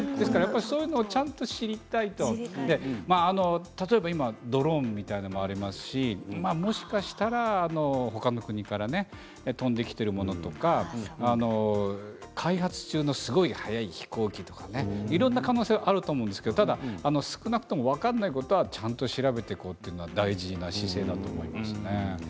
そういうのをちゃんと知りたいと例えば今、ドローンみたいなものもありますし、もしかしたら他の国から飛んできているものとか開発中のすごい速い飛行機とかねいろんな可能性があると思うんですけどただ少なくとも分からないことはちゃんと調べていこうというのは大事な姿勢だと思いますね。